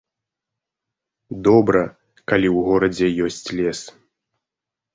Добра, калі ў горадзе ёсць лес.